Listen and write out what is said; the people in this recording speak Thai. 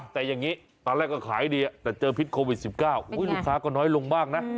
แต่อย่างนี้ตอนแรกก็ขายดีแต่เจอพิษโควิด๑๙ลูกค้าก็น้อยลงมากนะ